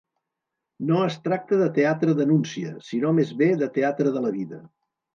No es tracta de teatre denúncia, sinó més bé de teatre de la vida.